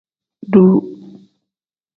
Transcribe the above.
Duuu.